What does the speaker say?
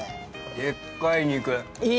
でっかい肉。